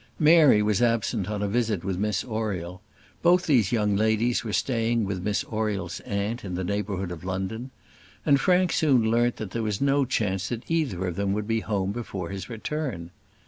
Mary was absent on a visit with Miss Oriel. Both these young ladies were staying with Miss Oriel's aunt, in the neighbourhood of London; and Frank soon learnt that there was no chance that either of them would be home before his return.